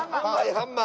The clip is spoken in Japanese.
ハンマー！